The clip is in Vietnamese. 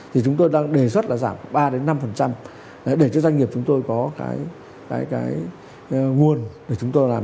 thì chúng tôi đang đề xuất là giảm ba năm để cho doanh nghiệp chúng tôi có cái nguồn để chúng tôi làm